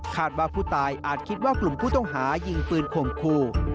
ว่าผู้ตายอาจคิดว่ากลุ่มผู้ต้องหายิงปืนข่มขู่